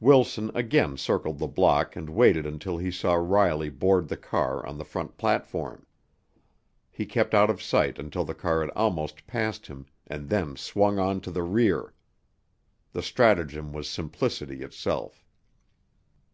Wilson again circled the block and waited until he saw Riley board the car on the front platform. He kept out of sight until the car had almost passed him and then swung on to the rear. The stratagem was simplicity itself.